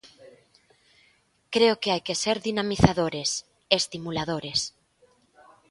Creo que hai que ser dinamizadores, estimuladores.